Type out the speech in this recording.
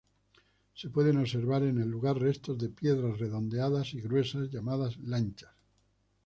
Se pueden observar en el lugar restos de piedras redondeadas y gruesas llamadas lanchas.